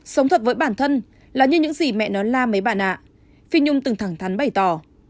sống thật với bản thân là như những gì mẹ nó la mấy bà nạ phi nhung từng thẳng thắn bày tỏ